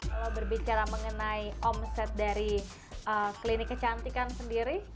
kalau berbicara mengenai omset dari klinik kecantikan sendiri